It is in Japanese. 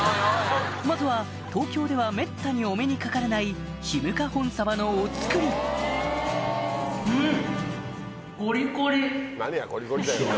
まずは東京ではめったにお目にかかれないひむか本サバのお造りうん！